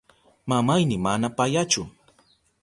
Mamayni mana payachu.